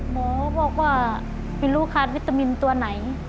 หมอบอกว่าไม่รู้ขาดวิตามินตัวไหน